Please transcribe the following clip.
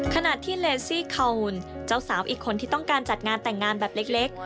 ขณะที่เลซี่คาวุนเจ้าสาวอีกคนที่ต้องการจัดงานแต่งงานแบบเล็ก